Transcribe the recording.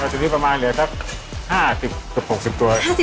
ตอนนี้ประมาณเหลือแค่๕๐๖๐ตัว